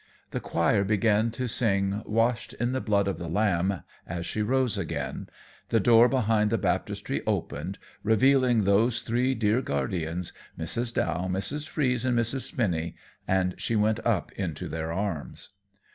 The choir began to sing "Washed in the Blood of the Lamb" as she rose again, the door behind the baptistry opened, revealing those three dear guardians, Mrs. Dow, Mrs. Freeze, and Mrs. Spinny, and she went up into their arms.